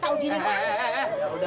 tau diri pak